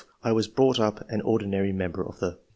"I was brought up an ordinary member of the